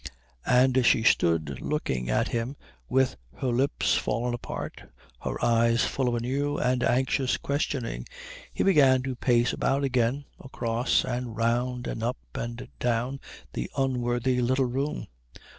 And as she stood looking at him with her lips fallen apart, her eyes full of a new and anxious questioning, he began to pace about again, across and round and up and down the unworthy little room.